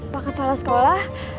pak kepala sekolah